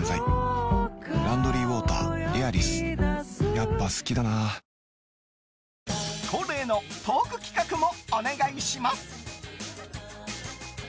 やっぱ好きだな恒例のトーク企画もお願いします。